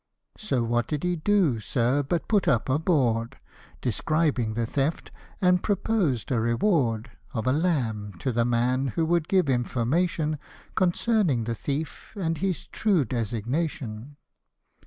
So what did he do, sir, but put up a board, Describing the theft, and proposed a reward Of a lamb to the man who would give information Concerning the thief, and his true designation.